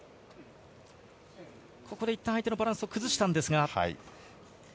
ここで一旦、相手のバランスを崩したんですが。